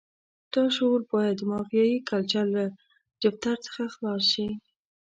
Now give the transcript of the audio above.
دا شعور باید د مافیایي کلچر له جفتر څخه خلاص شي.